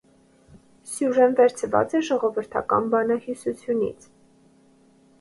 Սյուժեն վերցված է ժողովրդական բանահյուսությունից։